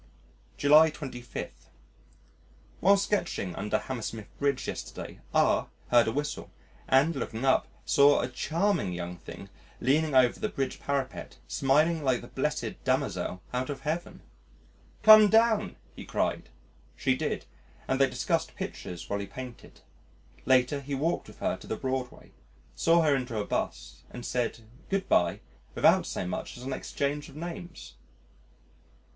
July 25. While sketching under Hammersmith Bridge yesterday, R heard a whistle, and, looking up, saw a charming "young thing" leaning over the Bridge parapet smiling like the blessed Damozel out of Heaven. "Come down," he cried. She did, and they discussed pictures while he painted. Later he walked with her to the Broadway, saw her into a 'bus and said "Good bye," without so much as an exchange of names.